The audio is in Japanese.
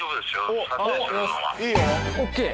ＯＫ！